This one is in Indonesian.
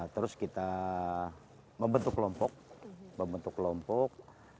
terus kita membentuk kelompok